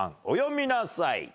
お詠みなさい。